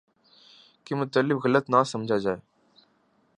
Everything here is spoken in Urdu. کہ مطلب غلط نہ سمجھا جائے۔